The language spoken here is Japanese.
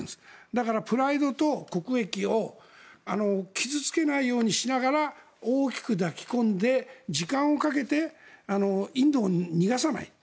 だからプライドと国益を傷付けないようにしながら大きく抱き込んで時間をかけてインドを逃がさない。